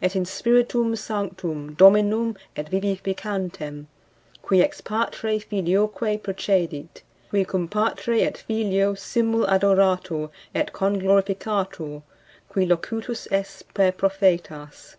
Et in Spiritum Sanctum, Dominum et vivificantem, qui ex Patre [Filioque] procedit; qui cum Patre et Filio simul adoratur et conglorificatur; qui locutus est per Prophetas.